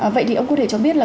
vậy thì ông có thể cho biết là